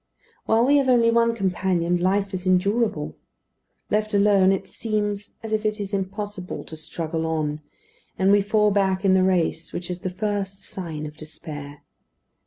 While we have only one companion, life is endurable; left alone, it seems as if it is impossible to struggle on, and we fall back in the race, which is the first sign of despair.